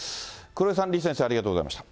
黒井さん、李先生、ありがとうございました。